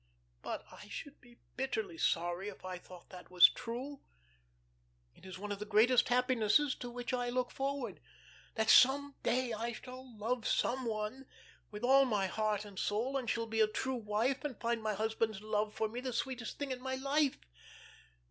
But I should be bitterly sorry if I thought that was true. It is one of the greatest happinesses to which I look forward, that some day I shall love some one with all my heart and soul, and shall be a true wife, and find my husband's love for me the sweetest thing in my life.